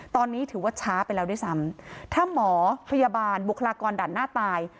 ตอนนี้ถือว่าช้าไปแล้วด้วยซ้ำถ้าหมอพยาบาลบุคลากรด่านหน้าตาย